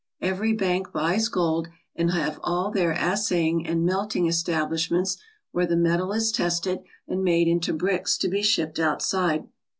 Every bank buys gold and all have their assaying and melting establishments where the metal is tested and made into bricks to be shipped outside.